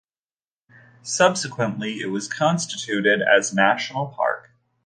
Subsequently, it was constituted as national park.